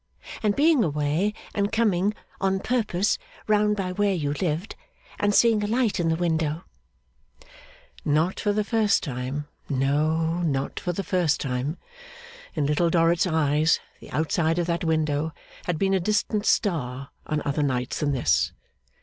And being away, and coming (on purpose) round by where you lived and seeing a light in the window ' Not for the first time. No, not for the first time. In Little Dorrit's eyes, the outside of that window had been a distant star on other nights than this.